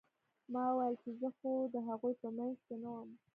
ما وويل چې زه خو د هغوى په منځ کښې نه وم.